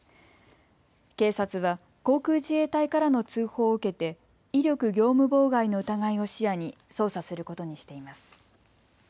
警察は航空自衛隊からの通報を受けて威力業務妨害の疑いを視野に捜査することにしています。